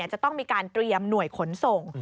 จะต้องมีการเตรียมหน่วยขนส่ง